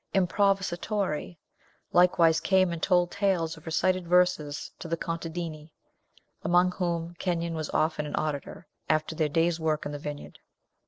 Improvisatori likewise came and told tales or recited verses to the contadini among whom Kenyon was often an auditor after their day's work in the vineyard.